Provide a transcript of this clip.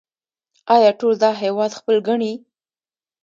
آیا ټول دا هیواد خپل ګڼي؟